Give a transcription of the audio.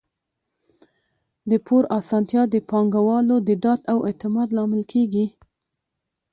د پور اسانتیا د پانګوالو د ډاډ او اعتماد لامل کیږي.